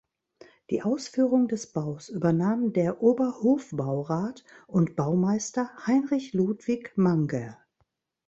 Die Ausführung des Baus übernahm der Oberhofbaurat und Baumeister Heinrich Ludwig Manger.